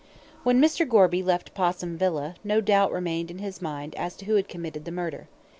When Mr. Gorby left Possum Villa no doubt remained in his mind as to who had committed the murder.